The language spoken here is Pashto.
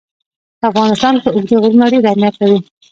په افغانستان کې اوږده غرونه ډېر اهمیت لري.